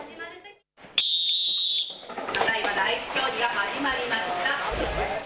ただいま第１競技が始まりました。